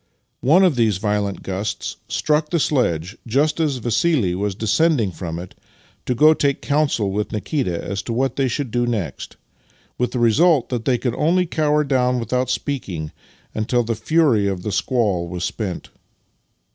One of these violent gusts struck the sledge just as Vassili was descending from it to go and take counsel with Nikita as to what they should do next, with the result that they could only cower down without speaking until the fury of the squall was spent.